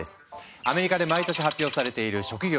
アメリカで毎年発表されている職業の魅力度